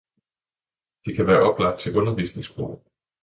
det kan være oplagt til undervisningsbrug